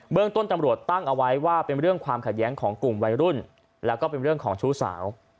เรื่องต้นตำรวจตั้งเอาไว้ว่าเป็นเรื่องความขัดแย้งของกลุ่มวัยรุ่นแล้วก็เป็นเรื่องของชู้สาว